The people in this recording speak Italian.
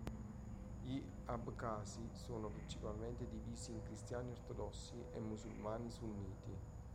Gli Abcasi sono principalmente divisi in Cristiani ortodossi e musulmani sunniti.